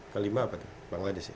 kelima apa tuh bangladesh